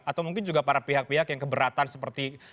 atau mungkin juga para pihak pihak yang keberatan seperti